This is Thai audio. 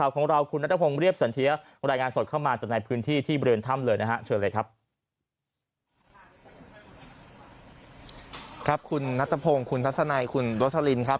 ครับคุณนัตรพงธ์คุณทัพสนายคุณโดรกษาลินครับ